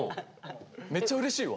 めっちゃうれしいわ。